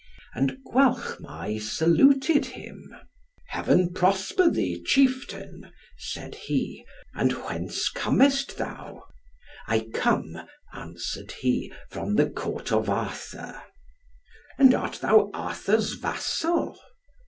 And Gwalchmai saluted him, "Heaven prosper thee, chieftain," said he, "and whence comest thou?" "I come," answered he, "from the Court of Arthur." "And art thou Arthur's vassal?"